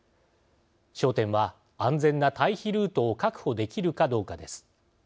焦点は、安全な退避ルートを確保できるかどうかです。